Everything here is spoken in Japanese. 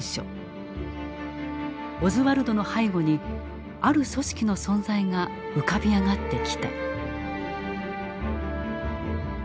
オズワルドの背後にある組織の存在が浮かび上がってきた。